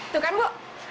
tuh kan bu